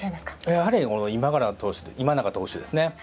やはり今永投手ですね。